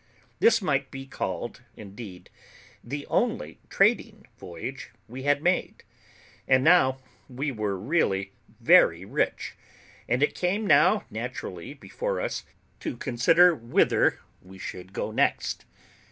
This might be called, indeed, the only trading voyage we had made; and now we were really very rich, and it came now naturally before us to consider whither we should go next.